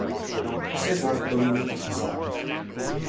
This effort dominated his life.